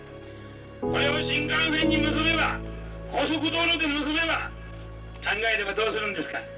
これを新幹線に結べば高速道路で結べば考えればどうするんですか？